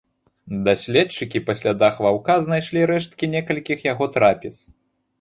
Даследчыкі па слядах ваўка знайшлі рэшткі некалькіх яго трапез.